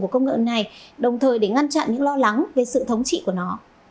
của công nghệ này đồng thời để ngăn chặn những lo lắng về sự thống trị của nó